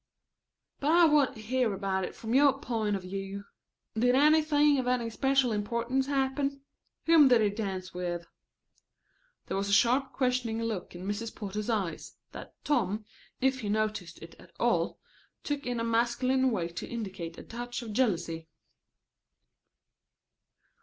"But I want to hear about it from your point of view. Did anything of any special importance happen? Whom did you dance with?" There was a sharp questioning look in Mrs. Porter's eyes, that Tom, if he noticed it at all, took in a masculine way to indicate a touch of jealousy.